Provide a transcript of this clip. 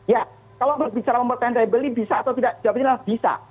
ya kalau bicara mempertahankan daya beli bisa atau tidak jawabannya adalah bisa